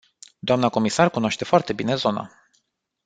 Dna comisar cunoaște foarte bine zona.